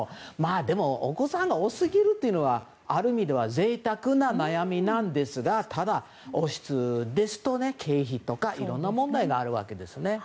でも、お子さんが多すぎるというのはある意味では贅沢な悩みなんですがただ、王室ですと経費とかいろんな問題があるんですね。